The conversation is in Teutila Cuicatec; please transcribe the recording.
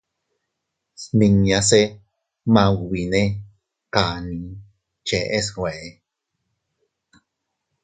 Smiñase maubine kani cheʼe snwe.